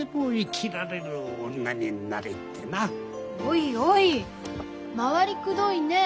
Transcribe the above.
おいおい回りくどいね。